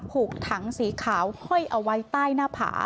ถูกถังสีขาวห้อยเอาไว้ใต้หน้าผา